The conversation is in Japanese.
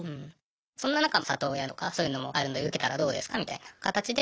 そんな中里親とかそういうのもあるんで受けたらどうですかみたいな形で。